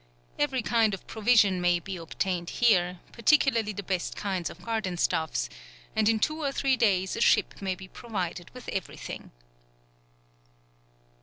Every kind of provision may be obtained here, particularly the best kinds of garden stuffs, and in two or three days a ship may be provided with everything."